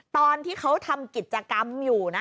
ตอนที่เขาทำกิจกรรมอยู่นะ